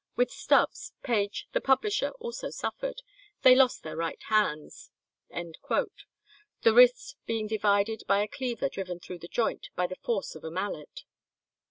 With Stubbs, Page, the publisher, also suffered. They lost their right hands," the wrist being divided by a cleaver driven through the joint by the force of a mallet.